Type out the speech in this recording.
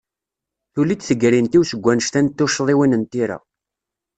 Tuli-d tegrint-iw seg wanect-a n tucḍiwin n tira.